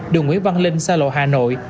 đường nguyễn văn linh xa lộ hà nội